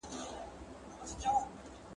زه کولای سم کالي وچوم.